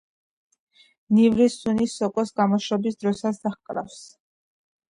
ნივრის სუნი სოკოს გამოშრობის დროსაც დაჰკრავს.